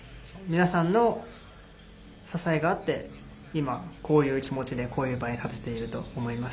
皆さんの支えがあって今、こういう気持ちでこういう場に立てていると思います。